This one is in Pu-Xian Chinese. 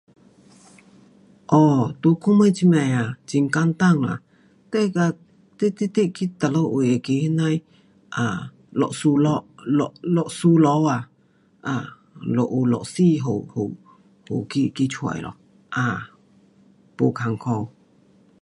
哦，在我们这边啊，很简单啦，你跟，你直直去哪里位那个那样的 um 律师楼，律，律师楼啊，um 就有律师好，好，好去找咯，um 不，不困苦。